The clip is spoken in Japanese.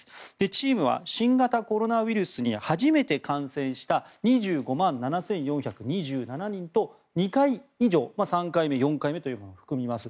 チームは新型コロナウイルスに初めて感染した２５万７４２７人と２回以上、３回目、４回目というのも含みます